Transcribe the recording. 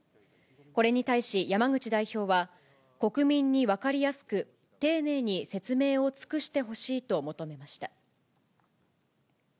これに対し、山口代表は、国民に分かりやすく、丁寧に説明を尽くしてほしいと求めました。